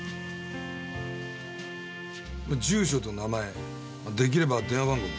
住所と名前出来れば電話番号も。